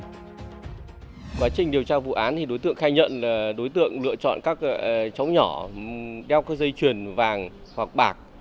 trong quá trình điều tra vụ án đối tượng khai nhận là đối tượng lựa chọn các cháu nhỏ đeo các dây truyền vàng hoặc bạc